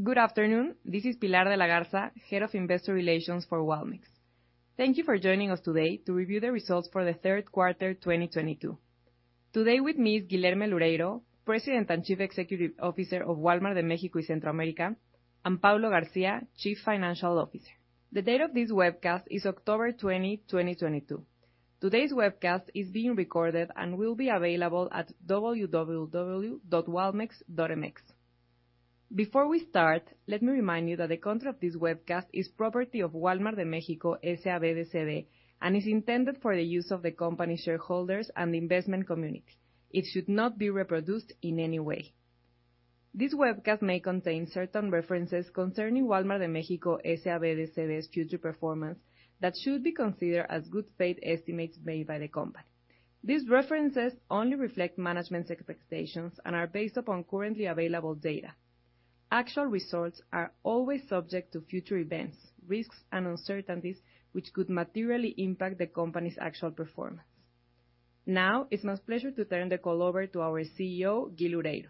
Good afternoon. This is Pilar de la Garza Fernández del Valle, Head of Investor Relations for Walmex. Thank you for joining us today to review the results for the third quarter 2022. Today with me is Guilherme Loureiro, President and Chief Executive Officer of Walmart de México y Centroamérica, and Paulo Garcia, Chief Financial Officer. The date of this webcast is October 20, 2022. Today's webcast is being recorded and will be available at www.walmex.mx. Before we start, let me remind you that the content of this webcast is property of Wal-Mart de México, S.A.B. de C.V., and is intended for the use of the company shareholders and investment community. It should not be reproduced in any way. This webcast may contain certain references concerning Wal-Mart de México, S.A.B. de C.V.'s future performance that should be considered as good faith estimates made by the company. These references only reflect management's expectations and are based upon currently available data. Actual results are always subject to future events, risks, and uncertainties, which could materially impact the company's actual performance. Now, it's my pleasure to turn the call over to our CEO, Gui Loureiro.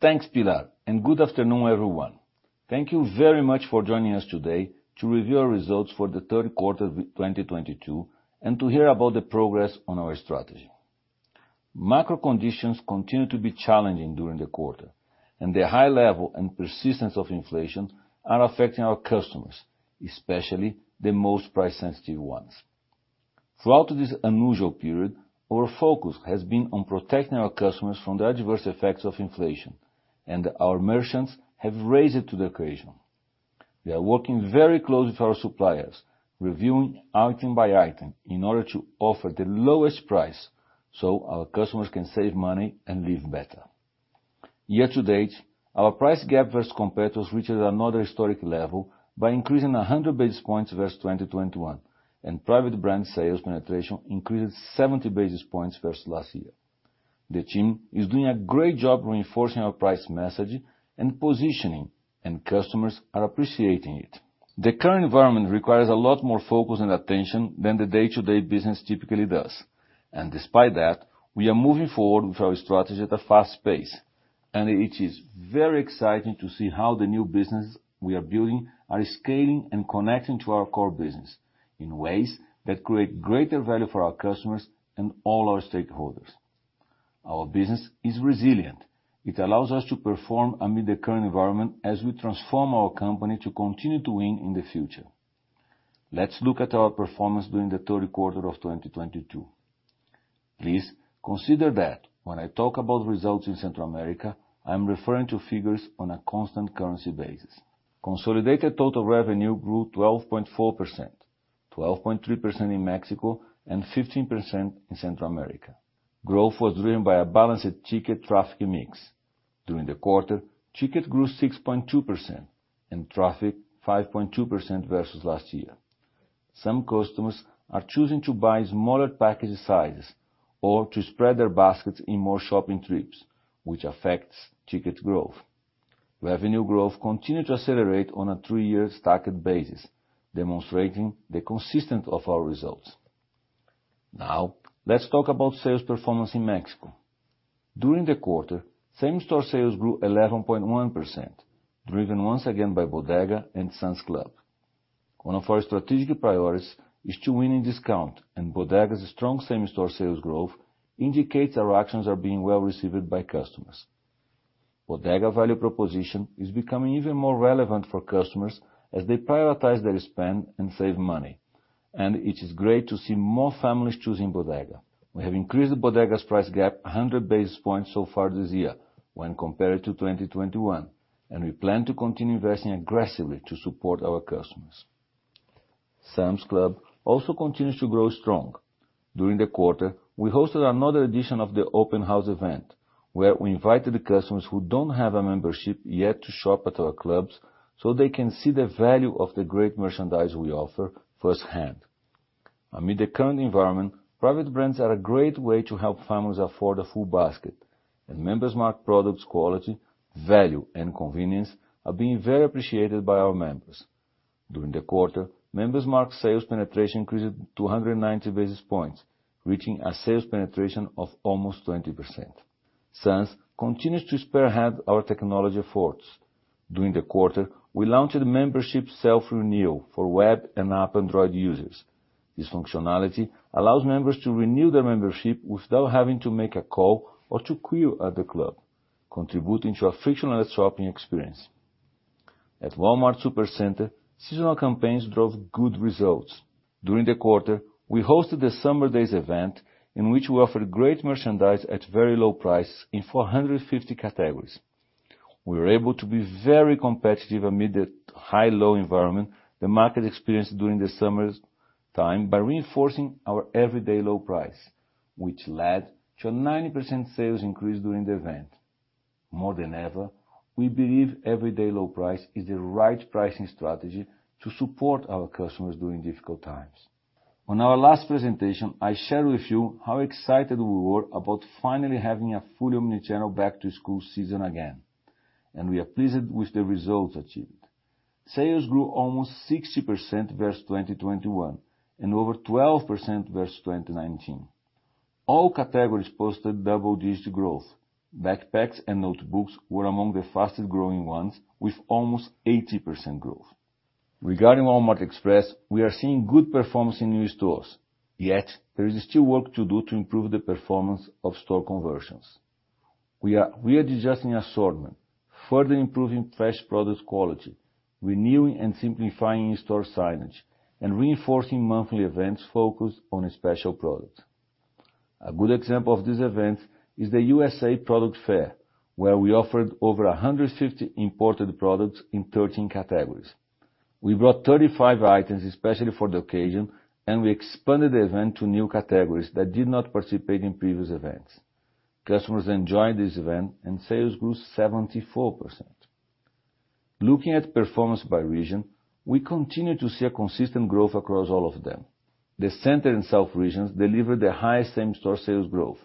Thanks, Pilar, and good afternoon, everyone. Thank you very much for joining us today to review our results for the third quarter of 2022, and to hear about the progress on our strategy. Macro conditions continued to be challenging during the quarter, and the high level and persistence of inflation are affecting our customers, especially the most price-sensitive ones. Throughout this unusual period, our focus has been on protecting our customers from the adverse effects of inflation, and our merchants have risen to the occasion. We are working very closely with our suppliers, reviewing item by item in order to offer the lowest price so our customers can save money and live better. Year to date, our price gap versus competitors reached another historic level by increasing 100 basis points versus 2021, and private brand sales penetration increased 70 basis points versus last year. The team is doing a great job reinforcing our price message and positioning, and customers are appreciating it. The current environment requires a lot more focus and attention than the day-to-day business typically does. Despite that, we are moving forward with our strategy at a fast pace, and it is very exciting to see how the new business we are building are scaling and connecting to our core business in ways that create greater value for our customers and all our stakeholders. Our business is resilient. It allows us to perform amid the current environment as we transform our company to continue to win in the future. Let's look at our performance during the third quarter of 2022. Please consider that when I talk about results in Central America, I'm referring to figures on a constant currency basis. Consolidated total revenue grew 12.4%, 12.3% in Mexico, and 15% in Central America. Growth was driven by a balanced ticket traffic mix. During the quarter, ticket grew 6.2% and traffic 5.2% versus last year. Some customers are choosing to buy smaller package sizes or to spread their baskets in more shopping trips, which affects ticket growth. Revenue growth continued to accelerate on a three-year stacked basis, demonstrating the consistency of our results. Now, let's talk about sales performance in Mexico. During the quarter, same store sales grew 11.1%, driven once again by Bodega and Sam's Club. One of our strategic priorities is to win in discount, and Bodega's strong same store sales growth indicates our actions are being well received by customers. Bodega value proposition is becoming even more relevant for customers as they prioritize their spend and save money. It is great to see more families choosing Bodega. We have increased Bodega's price gap 100 basis points so far this year when compared to 2021, and we plan to continue investing aggressively to support our customers. Sam's Club also continues to grow strong. During the quarter, we hosted another edition of the Open House event, where we invited the customers who don't have a membership yet to shop at our clubs so they can see the value of the great merchandise we offer firsthand. Amid the current environment, private brands are a great way to help families afford a full basket, and Member's Mark products quality, value, and convenience are being very appreciated by our members. During the quarter, Member's Mark sales penetration increased to 190 basis points, reaching a sales penetration of almost 20%. Sam's continues to spearhead our technology efforts. During the quarter, we launched a membership self-renewal for web and app, Android users. This functionality allows members to renew their membership without having to make a call or to queue at the club, contributing to a frictionless shopping experience. At Walmart Supercenter, seasonal campaigns drove good results. During the quarter, we hosted the Summer Days event in which we offered great merchandise at very low prices in 450 categories. We were able to be very competitive amid the high-low environment the market experienced during the summertime by reinforcing our everyday low price, which led to a 90% sales increase during the event. More than ever, we believe everyday low price is the right pricing strategy to support our customers during difficult times. On our last presentation, I shared with you how excited we were about finally having a fully omni-channel back to school season again. We are pleased with the results achieved. Sales grew almost 60% versus 2021, and over 12% versus 2019. All categories posted double-digit growth. Backpacks and notebooks were among the fastest growing ones with almost 80% growth. Regarding Walmart Express, we are seeing good performance in new stores, yet there is still work to do to improve the performance of store conversions. We are adjusting assortment, further improving fresh product quality, renewing and simplifying in-store signage, and reinforcing monthly events focused on special products. A good example of this event is the USA product fair, where we offered over 150 imported products in 13 categories. We brought 35 items especially for the occasion, and we expanded the event to new categories that did not participate in previous events. Customers enjoyed this event and sales grew 74%. Looking at performance by region, we continue to see a consistent growth across all of them. The center and south regions delivered the highest same-store sales growth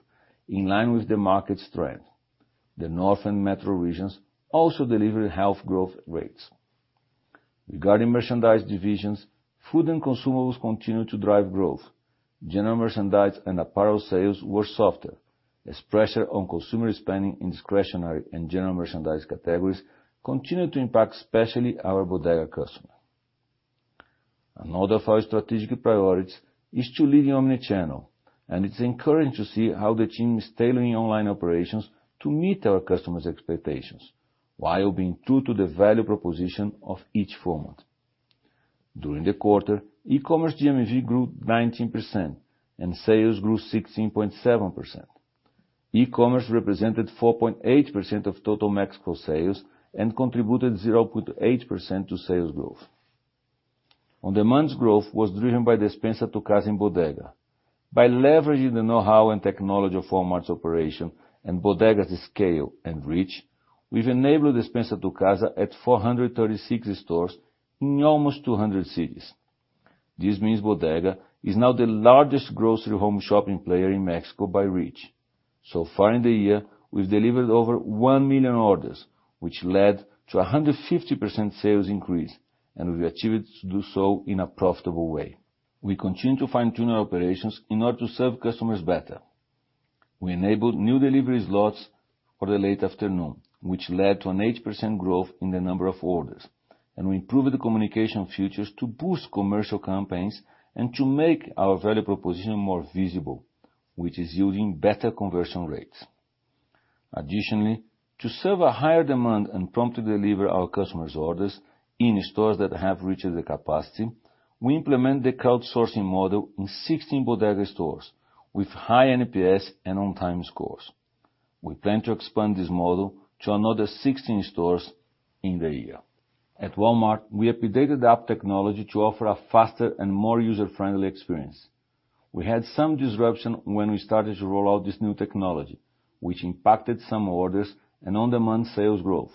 in line with the market's trend. The north and metro regions also delivered health growth rates. Regarding merchandise divisions, food and consumables continue to drive growth. General merchandise and apparel sales were softer as pressure on consumer spending in discretionary and general merchandise categories continue to impact, especially our Bodega customer. Another of our strategic priorities is to lead in omnichannel, and it's encouraging to see how the team is tailoring online operations to meet our customers' expectations while being true to the value proposition of each format. During the quarter, e-commerce GMV grew 19% and sales grew 16.7%. E-commerce represented 4.8% of total Mexico sales and contributed 0.8% to sales growth. On-demand growth was driven by Despensa a tu Casa in Bodega. By leveraging the know-how and technology of Walmart's operation and Bodega's scale and reach, we've enabled Despensa a tu Casa at 436 stores in almost 200 cities. This means Bodega is now the largest grocery home shopping player in Mexico by reach. So far in the year, we've delivered over 1 million orders, which led to a 150% sales increase, and we achieved to do so in a profitable way. We continue to fine-tune our operations in order to serve customers better. We enabled new delivery slots for the late afternoon, which led to an 8% growth in the number of orders. We improved the communication features to boost commercial campaigns and to make our value proposition more visible, which is yielding better conversion rates. Additionally, to serve a higher demand and promptly deliver our customers' orders in stores that have reached the capacity, we implement the crowdsourcing model in 16 Bodega stores with high NPS and on-time scores. We plan to expand this model to another 16 stores in the year. At Walmart, we updated the app technology to offer a faster and more user-friendly experience. We had some disruption when we started to roll out this new technology, which impacted some orders and on-demand sales growth.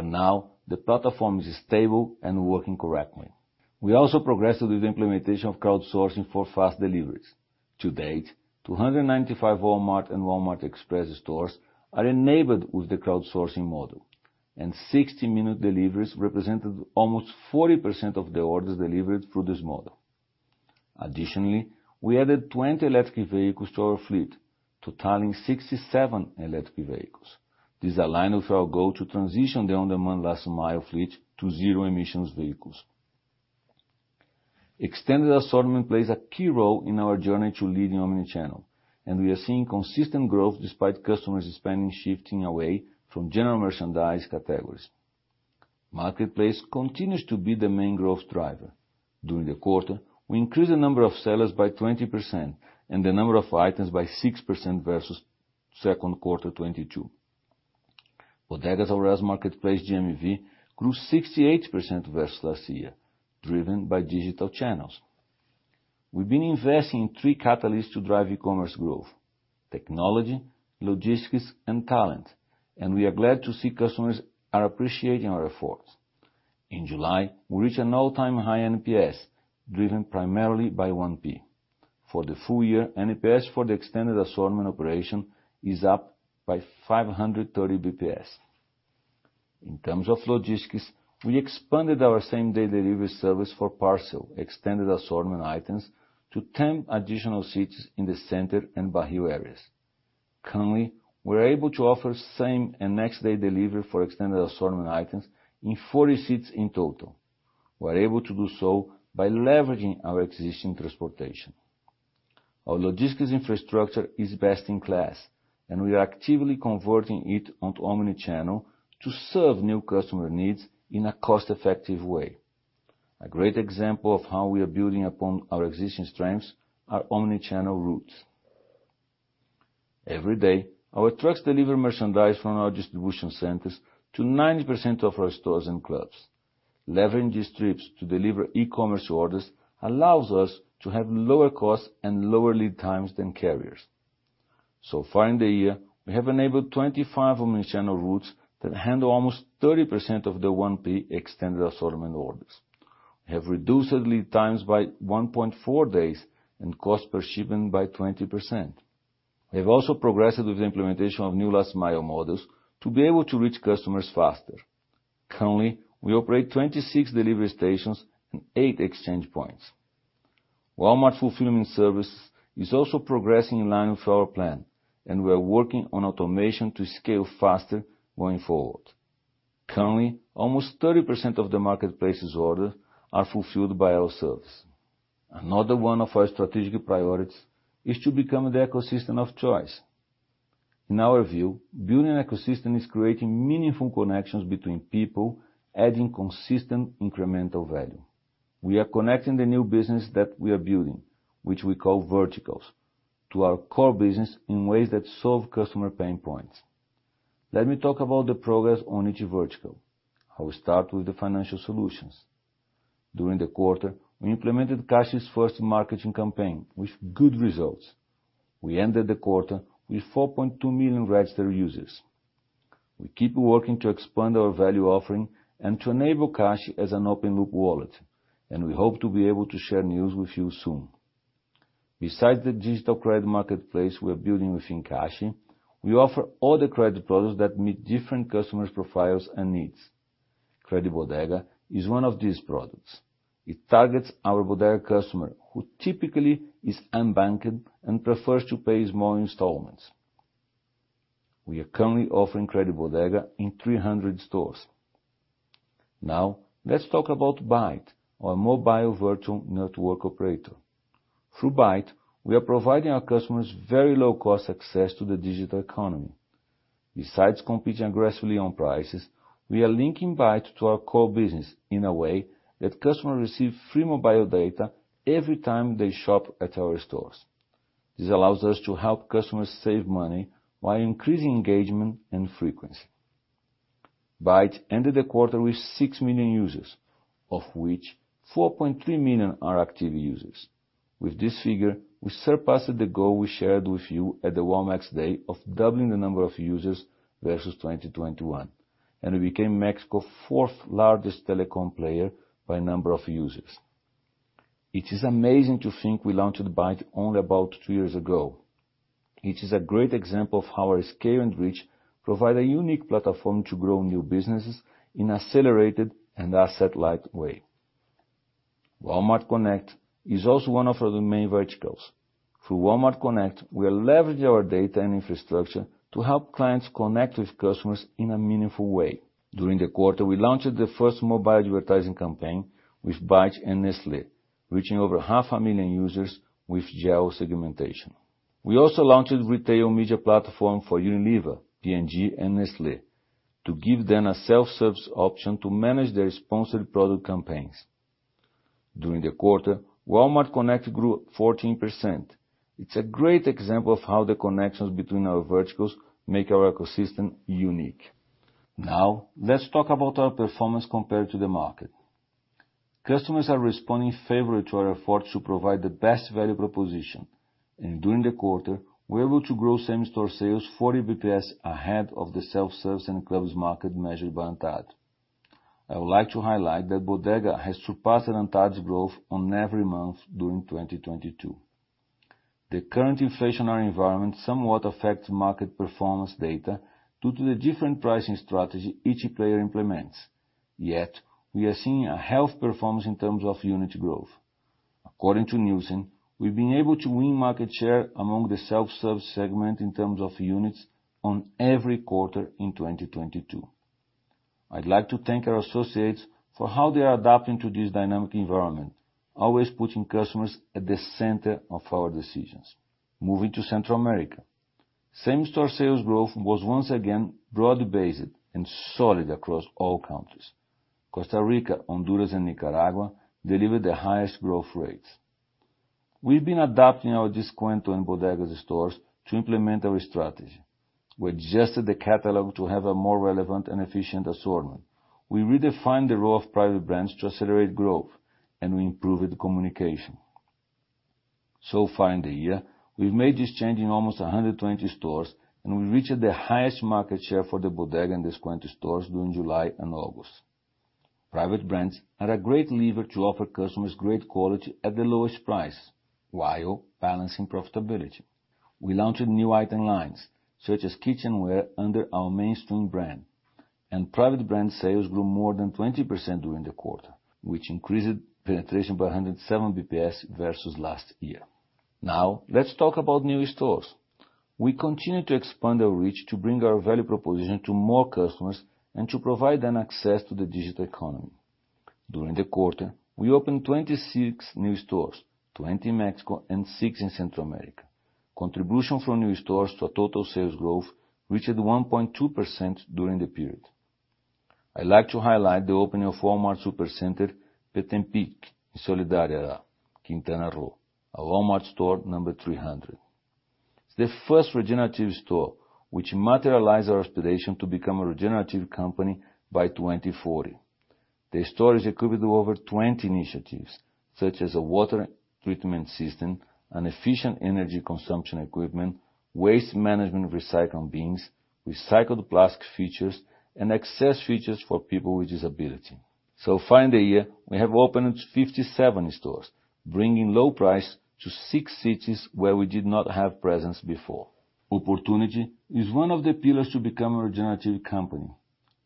Now the platform is stable and working correctly. We also progressed with the implementation of crowdsourcing for fast deliveries. To date, 295 Walmart and Walmart Express stores are enabled with the crowdsourcing model, and 60-minute deliveries represented almost 40% of the orders delivered through this model. Additionally, we added 20 electric vehicles to our fleet, totaling 67 electric vehicles. This aligns with our goal to transition the on-demand last mile fleet to zero emissions vehicles. Extended assortment plays a key role in our journey to leading omnichannel, and we are seeing consistent growth despite customers spending shifting away from general merchandise categories. Marketplace continues to be the main growth driver. During the quarter, we increased the number of sellers by 20% and the number of items by 6% versus second quarter 2022. Bodega Aurrerá marketplace GMV grew 68% versus last year, driven by digital channels. We've been investing in three catalysts to drive e-commerce growth, technology, logistics, and talent, and we are glad to see customers are appreciating our efforts. In July, we reached an all-time high NPS, driven primarily by 1P. For the full year, NPS for the extended assortment operation is up by 530 BPS. In terms of logistics, we expanded our same-day delivery service for parcel extended assortment items to 10 additional cities in the center and Bajío areas. Currently, we're able to offer same and next-day delivery for extended assortment items in 40 cities in total. We're able to do so by leveraging our existing transportation. Our logistics infrastructure is best in class, and we are actively converting it onto omnichannel to serve new customer needs in a cost-effective way. A great example of how we are building upon our existing strengths are omnichannel routes. Every day, our trucks deliver merchandise from our distribution centers to 90% of our stores and clubs. Leveraging these trips to deliver e-commerce orders allows us to have lower costs and lower lead times than carriers. So far in the year, we have enabled 25 omnichannel routes that handle almost 30% of the 1P extended assortment orders. We have reduced lead times by 1.4 days and cost per shipment by 20%. We've also progressed with the implementation of new last mile models to be able to reach customers faster. Currently, we operate 26 delivery stations and eight exchange points. Walmart Fulfillment Services is also progressing in line with our plan, and we are working on automation to scale faster going forward. Currently, almost 30% of the marketplace's orders are fulfilled by our service. Another one of our strategic priorities is to become the ecosystem of choice. In our view, building an ecosystem is creating meaningful connections between people, adding consistent incremental value. We are connecting the new business that we are building, which we call verticals, to our core business in ways that solve customer pain points. Let me talk about the progress on each vertical. I will start with the financial solutions. During the quarter, we implemented Cashi's first marketing campaign with good results. We ended the quarter with 4.2 million registered users. We keep working to expand our value offering and to enable Cashi as an open loop wallet, and we hope to be able to share news with you soon. Besides the digital credit marketplace we're building within Cashi, we offer other credit products that meet different customer profiles and needs. CrediBodega is one of these products. It targets our Bodega customer, who typically is unbanked and prefers to pay his loan in installments. We are currently offering CrediBodega in 300 stores. Now let's talk about BAIT, our mobile virtual network operator. Through BAIT, we are providing our customers very low-cost access to the digital economy. Besides competing aggressively on prices, we are linking BAIT to our core business in a way that customers receive free mobile data every time they shop at our stores. This allows us to help customers save money while increasing engagement and frequency. BAIT ended the quarter with 6 million users, of which 4.3 million are active users. With this figure, we surpassed the goal we shared with you at the Walmex Day of doubling the number of users versus 2021, and we became Mexico's fourth largest telecom player by number of users. It is amazing to think we launched BAIT only about two years ago. It is a great example of how our scale and reach provide a unique platform to grow new businesses in accelerated and asset-light way. Walmart Connect is also one of our main verticals. Through Walmart Connect, we leverage our data and infrastructure to help clients connect with customers in a meaningful way. During the quarter, we launched the first mobile advertising campaign with BAIT and Nestlé, reaching over 0.5 million users with geo-segmentation. We also launched retail media platform for Unilever, P&G and Nestlé to give them a self-service option to manage their sponsored product campaigns. During the quarter, Walmart Connect grew 14%. It's a great example of how the connections between our verticals make our ecosystem unique. Now, let's talk about our performance compared to the market. Customers are responding favorably to our efforts to provide the best value proposition. During the quarter, we're able to grow same-store sales 40 basis points ahead of the self-service and clubs market measured by ANTAD. I would like to highlight that Bodega has surpassed ANTAD's growth in every month during 2022. The current inflationary environment somewhat affects market performance data due to the different pricing strategy each player implements. Yet we are seeing a healthy performance in terms of unit growth. According to Nielsen, we've been able to win market share among the self-serve segment in terms of units in every quarter in 2022. I'd like to thank our associates for how they are adapting to this dynamic environment, always putting customers at the center of our decisions. Moving to Central America. Same-store sales growth was once again broad-based and solid across all countries. Costa Rica, Honduras and Nicaragua delivered their highest growth rates. We've been adapting our Descuento and Bodega Aurrerá stores to implement our strategy. We adjusted the catalog to have a more relevant and efficient assortment. We redefined the role of private brands to accelerate growth, and we improved communication. So far in the year, we've made this change in almost 120 stores, and we reached the highest market share for the Bodega Aurrerá and Descuento stores during July and August. Private brands are a great lever to offer customers great quality at the lowest price while balancing profitability. We launched new item lines such as kitchenware under our Mainstays brand, and private brand sales grew more than 20% during the quarter, which increased penetration by 107 BPS versus last year. Now let's talk about new stores. We continue to expand our reach to bring our value proposition to more customers and to provide them access to the digital economy. During the quarter, we opened 26 new stores, 20 in Mexico and six in Central America. Contribution from new stores to our total sales growth reached 1.2% during the period. I like to highlight the opening of Walmart Supercenter Petempich in Solidaridad, Quintana Roo, our Walmart store number 300. It's the first regenerative store which materialize our aspiration to become a regenerative company by 2040. The store is equipped with over 20 initiatives such as a water treatment system, an efficient energy consumption equipment, waste management recycling bins, recycled plastic features, and access features for people with disability. So far in the year, we have opened 57 stores, bringing low price to six cities where we did not have presence before. Opportunity is one of the pillars to become a regenerative company.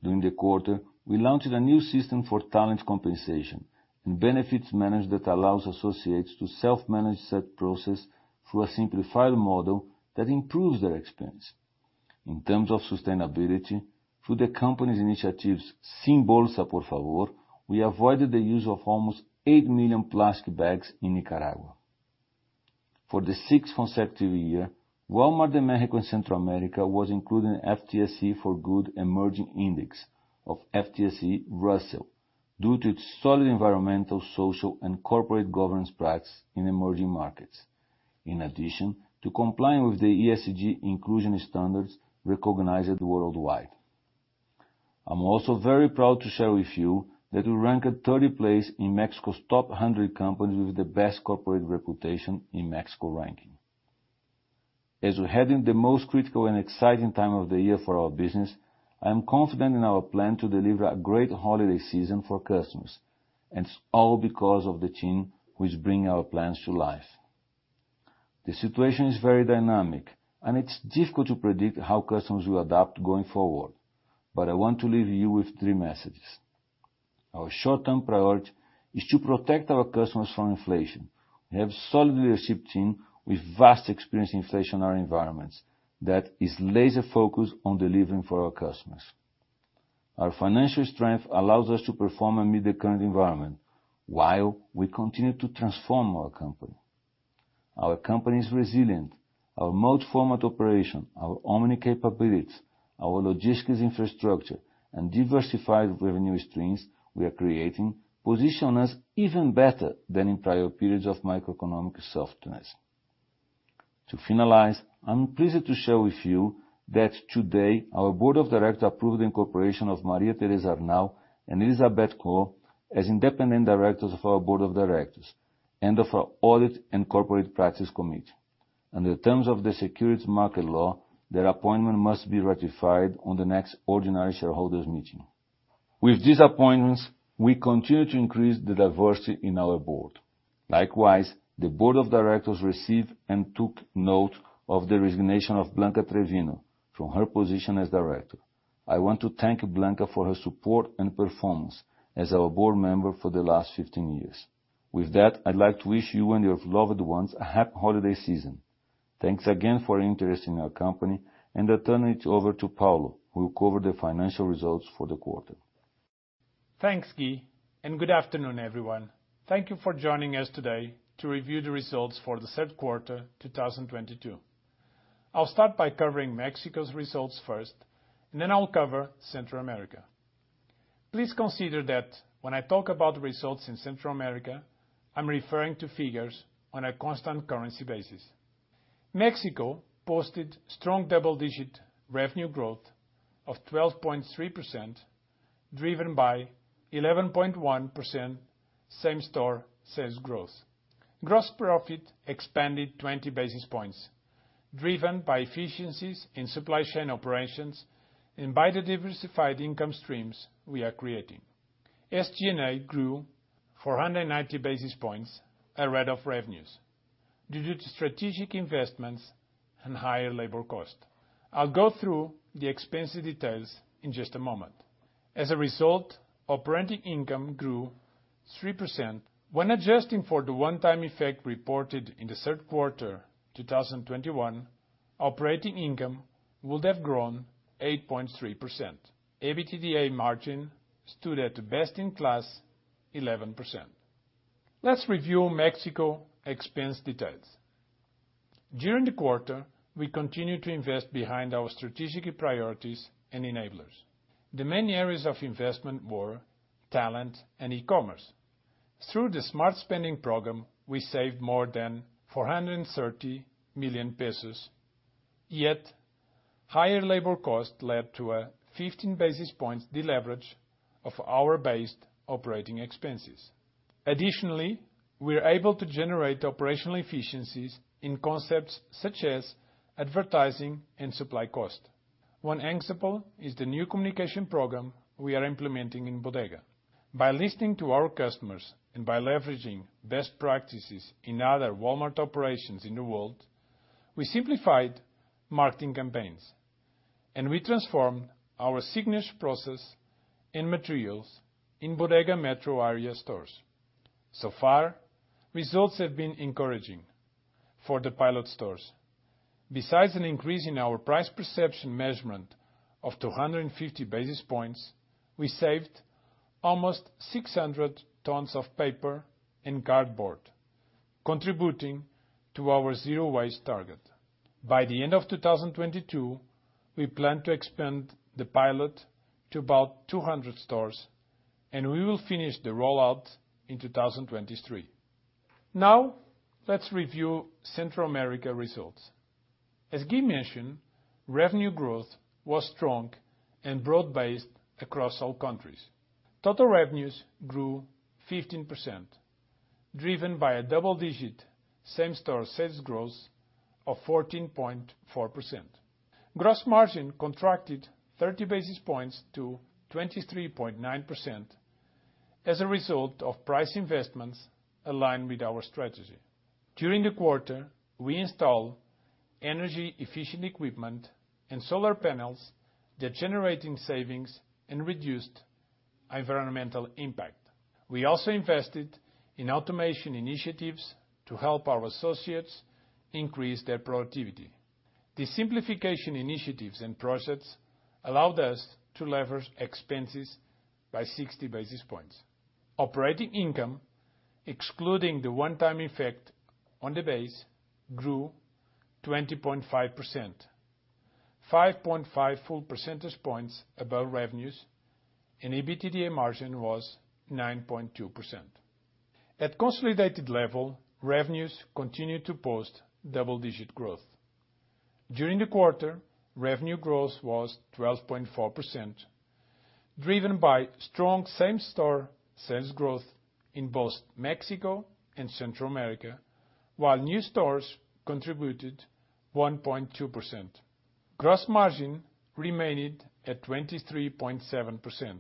During the quarter, we launched a new system for talent compensation and benefits managed that allows associates to self-manage said process through a simplified model that improves their experience. In terms of sustainability, through the company's initiatives, Sin bolsa por favor, we avoided the use of almost 8 million plastic bags in Nicaragua. For the sixth consecutive year, Walmart de México y Centroamérica was included in FTSE4Good Emerging Index of FTSE Russell due to its solid environmental, social, and corporate governance practice in emerging markets. In addition to complying with the ESG inclusion standards recognized worldwide. I'm also very proud to share with you that we ranked 30th place in Mexico's top 100 companies with the best corporate reputation in Mexico ranking. As we're heading the most critical and exciting time of the year for our business, I am confident in our plan to deliver a great holiday season for customers, and it's all because of the team which bring our plans to life. The situation is very dynamic, and it's difficult to predict how customers will adapt going forward. I want to leave you with three messages. Our short-term priority is to protect our customers from inflation. We have solid leadership team with vast experience in inflationary environments that is laser-focused on delivering for our customers. Our financial strength allows us to perform amid the current environment while we continue to transform our company. Our company is resilient. Our multi-format operation, our omni capabilities, our logistics infrastructure, and diversified revenue streams we are creating position us even better than in prior periods of macroeconomic softness. To finalize, I'm pleased to share with you that today our board of directors approved the incorporation of María Teresa Arnal and Elizabeth Kwo as independent directors of our board of directors and of our audit and corporate practice committee. Under the terms of the securities market law, their appointment must be ratified on the next ordinary shareholders meeting. With these appointments, we continue to increase the diversity in our board. Likewise, the board of directors received and took note of the resignation of Blanca Treviño from her position as director. I want to thank Blanca for her support and performance as our board member for the last 15 years. With that, I'd like to wish you and your loved ones a happy holiday season. Thanks again for your interest in our company, and I turn it over to Paulo, who will cover the financial results for the quarter. Thanks, Gui, and good afternoon, everyone. Thank you for joining us today to review the results for the third quarter, 2022. I'll start by covering Mexico's results first, and then I'll cover Central America. Please consider that when I talk about the results in Central America, I'm referring to figures on a constant currency basis. Mexico posted strong double-digit revenue growth of 12.3%, driven by 11.1% same-store sales growth. Gross profit expanded 20 basis points, driven by efficiencies in supply chain operations and by the diversified income streams we are creating. SG&A grew 490 basis points as a rate of revenues due to strategic investments and higher labor cost. I'll go through the expense details in just a moment. As a result, operating income grew 3%. When adjusting for the one-time effect reported in the third quarter, 2021, operating income would have grown 8.3%. EBITDA margin stood at best in class, 11%. Let's review México expense details. During the quarter, we continued to invest behind our strategic priorities and enablers. The main areas of investment were talent and e-commerce. Through the smart spending program, we saved more than 430 million pesos, yet higher labor costs led to a 15 basis points deleverage of our base operating expenses. Additionally, we are able to generate operational efficiencies in concepts such as advertising and supply cost. One example is the new communication program we are implementing in Bodega. By listening to our customers and by leveraging best practices in other Walmart operations in the world, we simplified marketing campaigns, and we transformed our signage process and materials in Bodega Metro area stores. Results have been encouraging for the pilot stores. Besides an increase in our price perception measurement of 250 basis points, we saved almost 600 tons of paper and cardboard, contributing to our zero waste target. By the end of 2022, we plan to expand the pilot to about 200 stores, and we will finish the rollout in 2023. Now, let's review Central America results. As Gui mentioned, revenue growth was strong and broad-based across all countries. Total revenues grew 15%. Driven by a double digit same-store sales growth of 14.4%. Gross margin contracted 30 basis points to 23.9% as a result of price investments aligned with our strategy. During the quarter, we installed energy efficient equipment and solar panels that generate savings and reduce environmental impact. We also invested in automation initiatives to help our associates increase their productivity. The simplification initiatives and projects allowed us to leverage expenses by 60 basis points. Operating income, excluding the one-time effect on the base, grew 20.5%, 5.5 full percentage points above revenues, and EBITDA margin was 9.2%. At consolidated level, revenues continued to post double-digit growth. During the quarter, revenue growth was 12.4%, driven by strong same-store sales growth in both Mexico and Central America, while new stores contributed 1.2%. Gross margin remained at 23.7%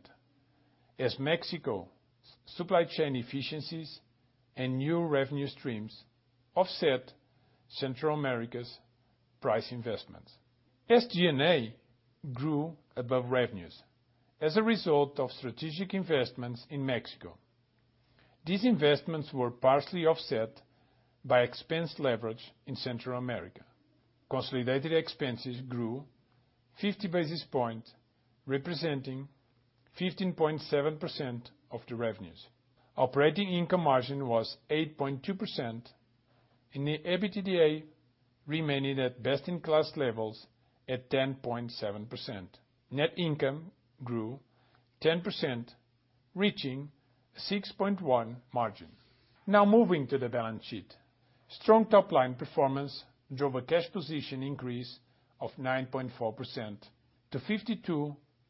as Mexico's supply chain efficiencies and new revenue streams offset Central America's pricing investments. SG&A grew above revenues as a result of strategic investments in Mexico. These investments were partially offset by expense leverage in Central America. Consolidated expenses grew 50 basis points, representing 15.7% of the revenues. Operating income margin was 8.2% and the EBITDA remained at best-in-class levels at 10.7%. Net income grew 10%, reaching 6.1% margin. Now, moving to the balance sheet. Strong top-line performance drove a cash position increase of 9.4% to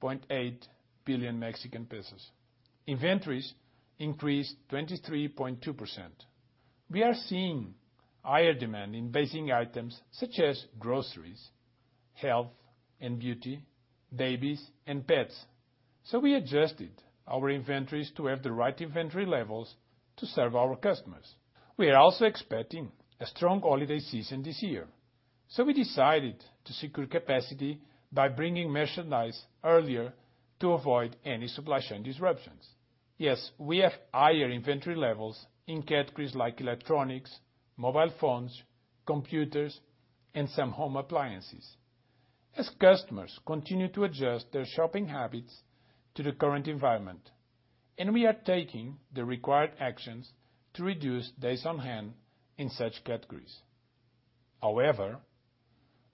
52.8 billion Mexican pesos. Inventories increased 23.2%. We are seeing higher demand in basic items such as groceries, health and beauty, babies and pets, so we adjusted our inventories to have the right inventory levels to serve our customers. We are also expecting a strong holiday season this year, so we decided to secure capacity by bringing merchandise earlier to avoid any supply chain disruptions. Yes, we have higher inventory levels in categories like electronics, mobile phones, computers, and some home appliances as customers continue to adjust their shopping habits to the current environment, and we are taking the required actions to reduce days on hand in such categories. However,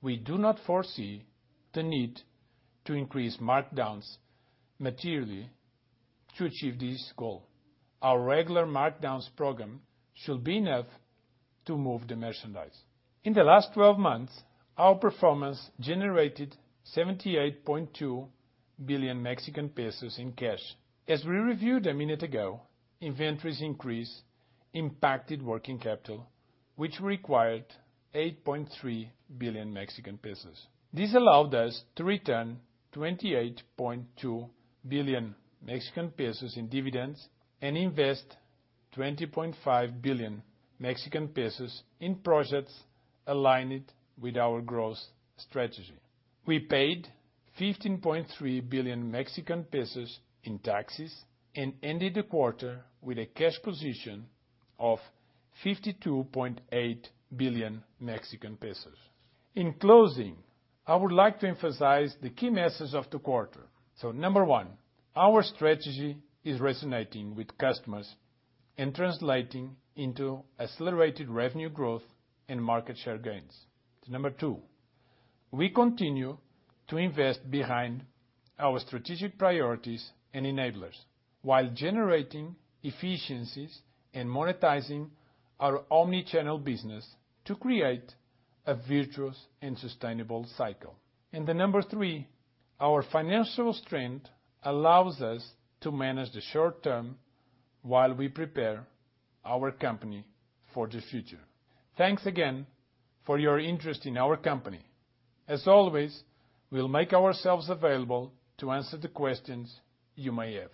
we do not foresee the need to increase markdowns materially to achieve this goal. Our regular markdowns program should be enough to move the merchandise. In the last 12 months, our performance generated 78.2 billion Mexican pesos in cash. As we reviewed a minute ago, inventories increase impacted working capital, which required 8.3 billion Mexican pesos. This allowed us to return 28.2 billion Mexican pesos in dividends and invest 20.5 billion Mexican pesos in projects aligned with our growth strategy. We paid 15.3 billion Mexican pesos in taxes and ended the quarter with a cash position of 52.8 billion Mexican pesos. In closing, I would like to emphasize the key messages of the quarter. Number one, our strategy is resonating with customers and translating into accelerated revenue growth and market share gains. Number two, we continue to invest behind our strategic priorities and enablers while generating efficiencies and monetizing our omni-channel business to create a virtuous and sustainable cycle. Number three, our financial strength allows us to manage the short term while we prepare our company for the future. Thanks again for your interest in our company. As always, we'll make ourselves available to answer the questions you may have.